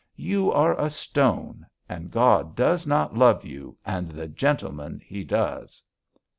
You are a stone and God does not love you and the gentleman he does."